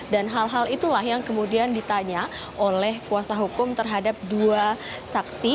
dan hal hal itulah yang kemudian ditanya oleh kuasa hukum terhadap dua saksi